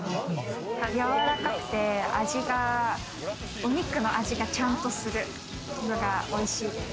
柔らかくて味が、お肉の味がちゃんとするのが、おいしいです。